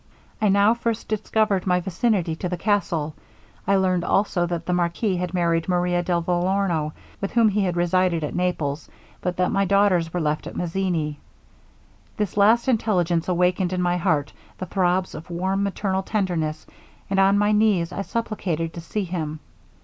'I now first discovered my vicinity to the castle. I learned also, that the marquis had married Maria de Vellorno, with whom he had resided at Naples, but that my daughters were left at Mazzini. This last intelligence awakened in my heart the throbs of warm maternal tenderness, and on my knees I supplicated to see them.